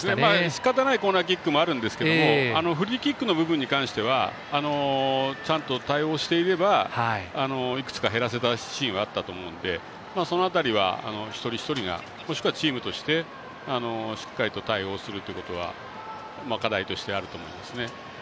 しかたないコーナーキックもあるんですけどフリーキックの部分に関してはちゃんと対応していればいくつか減らせたシーンがあったと思うのでその辺りは一人一人がもしくはチームとしてしっかり対応することは課題としてあると思いますね。